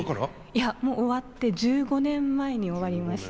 いやもう終わって１５年前に終わりまして。